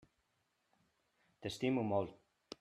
T'estimo molt.